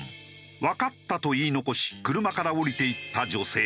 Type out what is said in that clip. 「わかった」と言い残し車から降りていった女性。